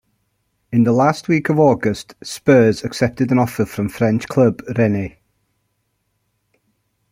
In the last week of August, Spurs accepted an offer from French club Rennes.